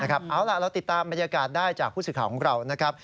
เอาล่ะเราติดตามบรรยากาศได้จากผู้สื่อข่าวของเรานะครับ